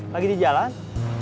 lagi di jalan